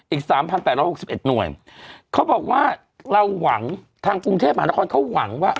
อีกสามพันแปดร้อยหกสิบเอ็ดหน่วยเขาบอกว่าเราหวังทางกรุงเทพหานครเขาหวังว่า